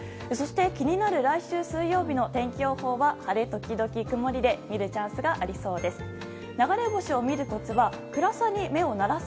気になる来週水曜日の天気予報は晴れ時々曇りで見るチャンスがありそうです。